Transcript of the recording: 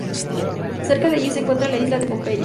Cerca de allí se encuentra la isla de Pompeya.